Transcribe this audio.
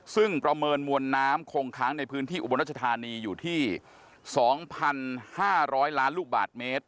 ซึ่งประเมินมวลน้ำคงค้างในพื้นที่อุบลรัชธานีอยู่ที่๒๕๐๐ล้านลูกบาทเมตร